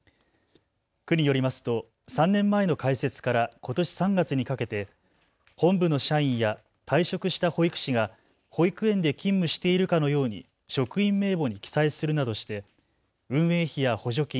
区によりますと３年前の開設からことし３月にかけて本部の社員や退職した保育士が保育園で勤務しているかのように職員名簿に記載するなどして運営費や補助金